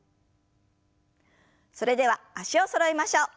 それでは脚をそろえましょう。